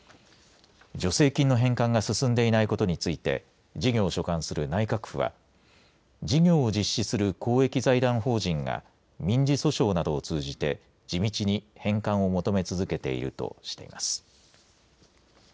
助成金の返還が進んでいないことについて事業を所管する内閣府は事業を実施する公益財団法人が民事訴訟などを通じて地道に返還を求め続けているとしています。